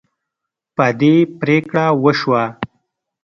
په دې پریکړه وشوه.